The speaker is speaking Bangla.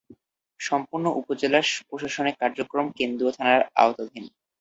সম্পূর্ণ উপজেলার প্রশাসনিক কার্যক্রম কেন্দুয়া থানার আওতাধীন।